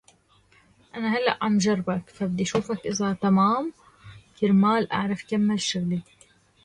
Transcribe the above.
Later in his minor league career, he became a catcher.